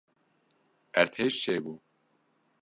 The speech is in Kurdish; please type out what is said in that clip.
Erdhej çêbû?